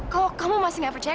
kalau kamu masih gak percaya